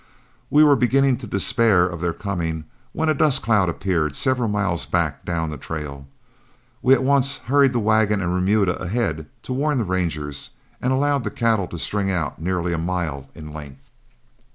We were beginning to despair of their coming, when a dust cloud appeared several miles back down the trail. We at once hurried the wagon and remuda ahead to warn the Rangers, and allowed the cattle to string out nearly a mile in length.